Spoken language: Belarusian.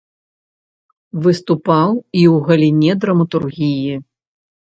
Выступаў і ў галіне драматургіі.